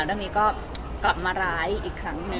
เดิมนี้ก็กลับมาร้ายอีกครั้งหนึ่งค่ะ